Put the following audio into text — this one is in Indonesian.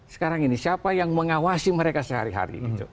sekarang ini siapa yang mengawasi mereka sehari hari